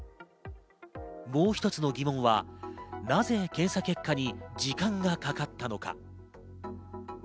もう一つの疑問はなぜ検査結果に時間がかかったのか。